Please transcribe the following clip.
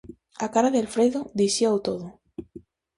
A cara de Alfredo dicíao todo.